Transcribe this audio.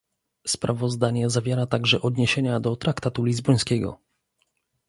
Sprawozdanie zawiera także odniesienia do traktatu lizbońskiego